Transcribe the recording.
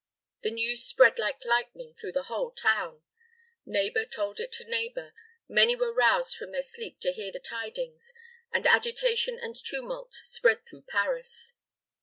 The news spread like lightning through the whole town; neighbor told it to neighbor; many were roused from their sleep to hear the tidings, and agitation and tumult spread through Paris.